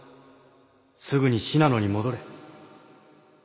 すぐに信濃に戻れ。